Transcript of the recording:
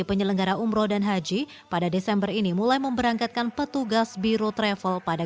penyelenggara umroh dan haji pada desember ini mulai memberangkatkan petugas biro travel pada